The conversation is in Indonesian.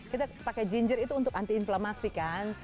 kita pakai ginger itu untuk anti inflamasi kan